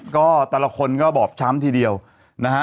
ก็แต่ละคนก็บอบช้ำทีเดียวนะฮะ